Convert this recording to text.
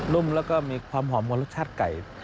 ุ่มแล้วก็มีความหอมของรสชาติไก่